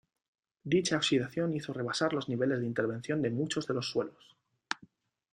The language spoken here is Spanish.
Dicha oxidación hizo rebasar los niveles de intervención de muchos de los suelos.